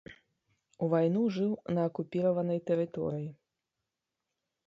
У вайну жыў на акупіраванай тэрыторыі.